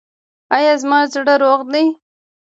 ایا زما زړه روغ دی؟